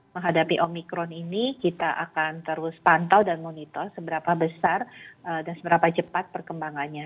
menghadapi omikron ini kita akan terus pantau dan monitor seberapa besar dan seberapa cepat perkembangannya